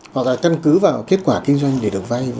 hoặc là căn cứ vào kết quả kinh doanh để được vay